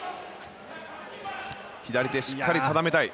左手、しっかり定めたい。